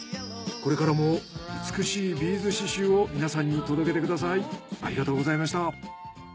これからも美しいビーズ刺繍を皆さんに届けてください。